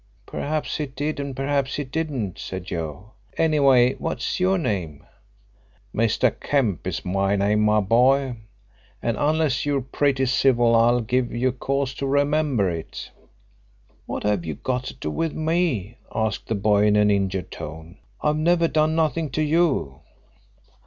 "Perhaps he did, and perhaps he didn't," said Joe. "Anyway, what is your name?" "Mr. Kemp is my name, my boy. And unless you're pretty civil I'll give you cause to remember it." "What have you got to do with me?" asked the boy in an injured tone. "I've never done nothing to you."